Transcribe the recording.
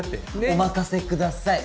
お任せください。